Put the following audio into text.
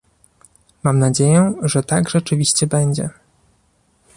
Mam nadzieję, że tak rzeczywiście będzie